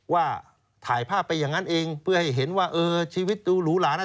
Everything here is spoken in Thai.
ว่าถ่ายภาพไปอย่างนั้นเองเพื่อให้เห็นว่าเออชีวิตดูหรูหลานะ